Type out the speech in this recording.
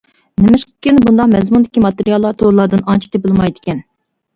نېمىشقىكىن بۇنداق مەزمۇندىكى ماتېرىياللار تورلاردىن ئانچە تېپىلمايدىكەن.